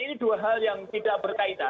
ini dua hal yang tidak berkaitan